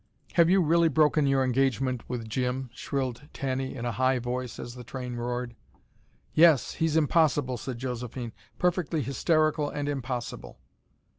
"Have you really broken your engagement with Jim?" shrilled Tanny in a high voice, as the train roared. "Yes, he's impossible," said Josephine. "Perfectly hysterical and impossible."